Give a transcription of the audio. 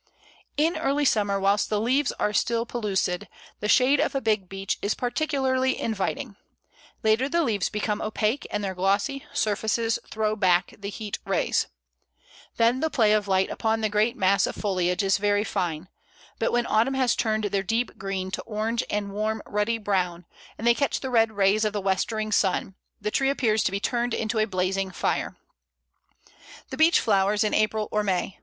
In early summer, whilst the leaves are still pellucid, the shade of a big Beech is particularly inviting. Later the leaves become opaque, and their glossy surfaces throw back the heat rays. Then the play of light upon the great mass of foliage is very fine; but when autumn has turned their deep green to orange and warm ruddy brown, and they catch the red rays of the westering sun, the tree appears to be turned into a blazing fire. [Illustration: Pl. 12. Beech winter.] [Illustration: Leaves, flowers, and fruit of Beech. A, female; B, male flowers.] The Beech flowers in April or May.